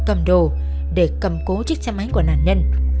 tiếp theo của kiên là các cửa hàng cầm đồ để cầm cố chiếc xe máy của nạn nhân